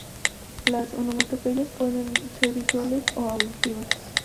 Las onomatopeyas pueden ser visuales o auditivas.